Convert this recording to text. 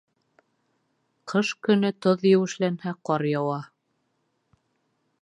Ҡыш көнө тоҙ еүешләнһә, ҡар яуа.